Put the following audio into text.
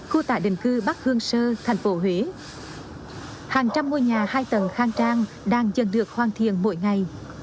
hàng trăm ngôi nhà hai tầng khang trang đang dần được hoang thiền mỗi ngày